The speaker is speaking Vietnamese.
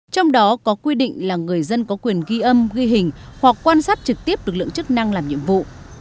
trong đó có quy định là người dân có quyền ghi âm ghi hình hoặc quan sát trực tiếp lực lượng chức năng làm nhiệm vụ